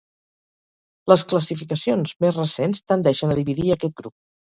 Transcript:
Les classificacions més recents tendeixen a dividir aquest grup.